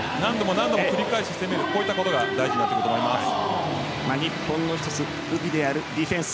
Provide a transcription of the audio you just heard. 何度も繰り返し攻めることが日本の一つ武器であるディフェンス。